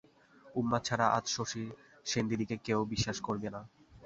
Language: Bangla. উন্মাদ ছাড়া আজ শশীর সেনদিদিকে কেহ অবিশ্বাস করিবে না।